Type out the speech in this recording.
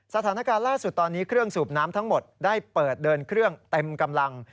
สถานการณ์ล่าสุดตอนนี้เครื่องสูบน้ำทั้งหมดได้เปิดเดินเครื่องเต็มกำลัง